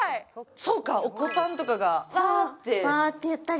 そうか、お子さんとかがわーって言ったり。